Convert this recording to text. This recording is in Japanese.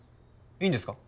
いいんですか？